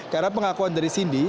karena pengakuan dari cindy